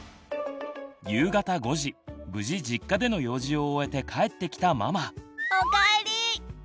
夕方５時無事実家での用事を終えて帰ってきたママ。